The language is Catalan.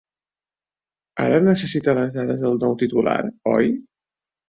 Ara necessita les dades del nou titular, oi?